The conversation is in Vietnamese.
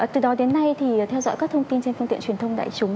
từ đó đến nay thì theo dõi các thông tin trên phương tiện truyền thông đại chúng